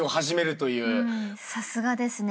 さすがですね。